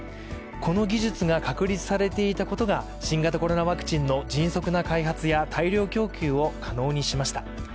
この技術が確立されていたことが新型コロナワクチンの迅速な開発や大量供給を可能にしました。